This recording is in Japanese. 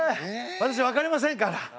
私わかりませんから。